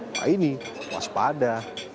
nah ini waspada